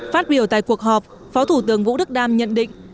phát biểu tại cuộc họp phó thủ tướng vũ đức đam nhận định